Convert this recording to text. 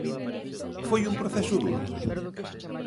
Foi un proceso duro?